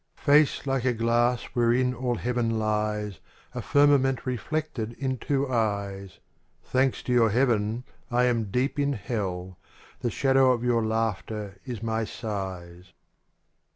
JACE like a glass wherein all heaven lies, A jErmament reflecJted in two eyes: Thanks to your heaven, I am deep in hell. The shadow of your laughter is my sighs.